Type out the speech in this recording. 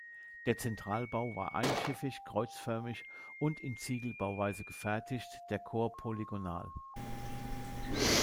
Der Zentralbau war einschiffig, kreuzförmig und in Ziegelbauweise gefertigt, der Chor polygonal.